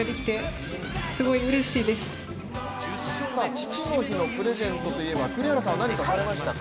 父の日のプレゼントといえば栗原さんは何かされましたか？